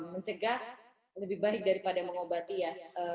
mencegah lebih baik daripada mengobati ya